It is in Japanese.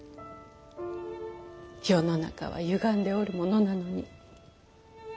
世の中はゆがんでおるものなのに。